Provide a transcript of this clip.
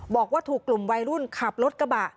บอกว่าถูกกลุ่มวัยรุ่นขับรถกระบะ